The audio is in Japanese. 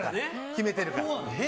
決めてるから。